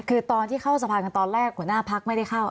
คือตอนที่เข้าสะพานตอนแรกหัวหน้าพักไม่ได้เข้า